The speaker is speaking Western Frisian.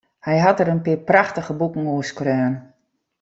Hy hat dêr in pear prachtige boeken oer skreaun.